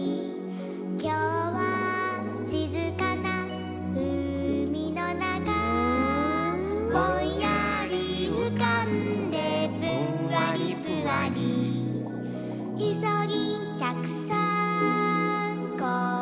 「きょうはしずかなうみのなか」「ぼんやりうかんでぷんわりぷわり」「いそぎんちゃくさんこんにちは！」